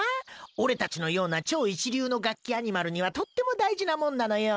俺たちのような超一流のガッキアニマルにはとっても大事なもんなのよ。